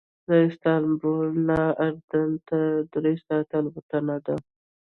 له استانبول نه اردن ته درې ساعته الوتنه ده.